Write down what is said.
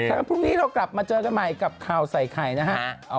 แล้วพรุ่งนี้เรากลับมาเจอกันใหม่กับข่าวใส่ไข่นะฮะ